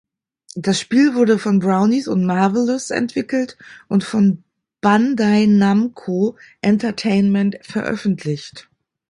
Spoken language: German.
Das Spiel wurde von Brownies und Marvelous entwickelt und von Bandai Namco Entertainment veröffentlicht.